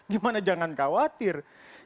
gimana jangan khawatir